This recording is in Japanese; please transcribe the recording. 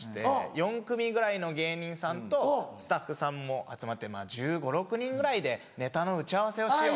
４組ぐらいの芸人さんとスタッフさんも集まって１５１６人ぐらいでネタの打ち合わせをしよう。